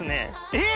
え！